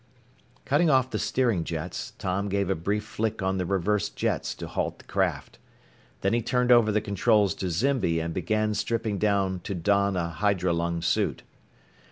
Cutting off the steering jets, Tom gave a brief flick on the reverse jets to halt the craft. Then he turned over the controls to Zimby and began stripping down to don a hydrolung suit.